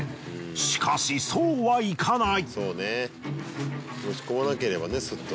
しかしそうはいかない。